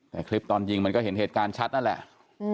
แต่คลิปตอนยิงมันก็เห็นเหตุการณ์ชัดนั่นแหละ